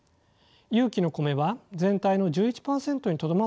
有機の米は全体の１１％にとどまっています。